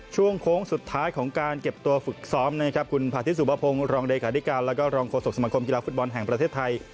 ช่วงโค้งสุดท้ายของการเก็บตัวฝึกซ้อมนะครับคุณพาธิสุภพงศ์รองเลขาธิการแล้วก็รองโฆษกสมคมกีฬาฟุตบอลแห่งประเทศไทย